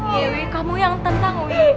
iwi kamu yang tentang wi